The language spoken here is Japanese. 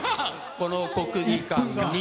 この国技館に。